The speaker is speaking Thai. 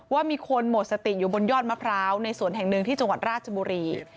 ว่ามีคนหมดสติอยู่บนยอดมะพร้าวในสวนแห่งหนึ่งที่จังหวัดราชบุรี